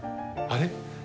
あれ？